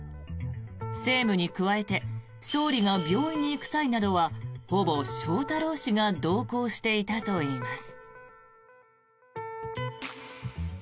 政務に加えて総理が病院に行く際などはほぼ翔太郎氏が同行していたといいます。